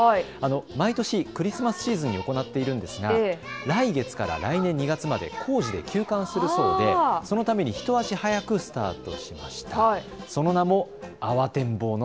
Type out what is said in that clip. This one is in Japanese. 毎年クリスマスシーズンに行っているんですが来月から来年２月まで工事で休館するためそのために一足早くスタートしました。